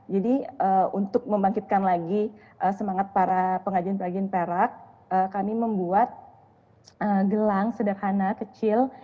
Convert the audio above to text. jadi untuk membangkitkan lagi semangat para pengajian pengajian perak kami membuat gelang sederhana kecil